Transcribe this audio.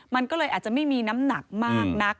มันก็เลยอาจจะไม่มีน้ำหนักมากนัก